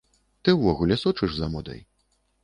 Ты ўвогуле сочыш за модай?